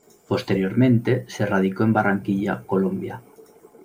Posteriormente, se radicó en Barranquilla, Colombia.